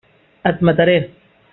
Et mataré!